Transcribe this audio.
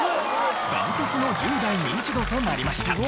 断トツの１０代ニンチドとなりました。